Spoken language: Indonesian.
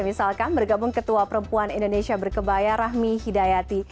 misalkan bergabung ketua perempuan indonesia berkebaya rahmi hidayati